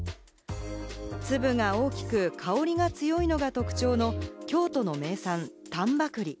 粒が大きく、香りが強いのが特徴の京都の名産・丹波ぐり。